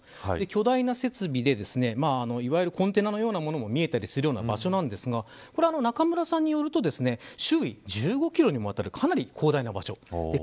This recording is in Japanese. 巨大な設備で、いわゆるコンテナのようなものも見えたりする場所なんですがこれは中村さんによると周囲１５キロにもわたるかなり広大な場所。